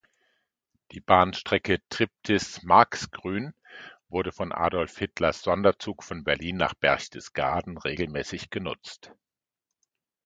Die Bahnstrecke Triptis–Marxgrün wurde von Adolf Hitlers Sonderzug von Berlin nach Berchtesgaden regelmäßig genutzt.